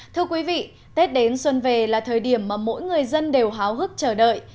thưa quý vị tết đến xuân về là thời điểm mà mỗi người dân đều háo hức chờ đợi